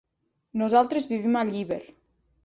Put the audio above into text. Nosaltres vivim a Llíber.